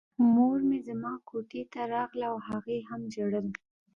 مور مې زما کوټې ته راغله او هغې هم ژړل